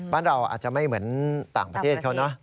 บ้านเราอาจจะไม่เหมือนต่างประเทศเขาเนอะ